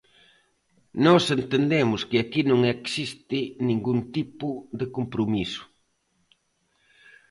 Nós entendemos que aquí non existe ningún tipo de compromiso.